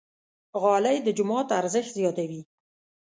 غالۍ د جومات ارزښت زیاتوي.